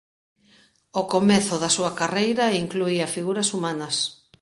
Ao comezo da súa carreira incluía figuras humanas.